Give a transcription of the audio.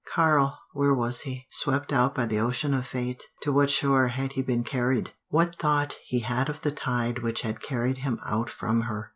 Karl where was he? Swept out by the ocean of fate. To what shore had he been carried? What thought he of the tide which had carried him out from her?